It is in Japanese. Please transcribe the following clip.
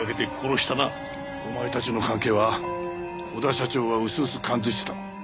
お前たちの関係は小田社長は薄々感付いてた。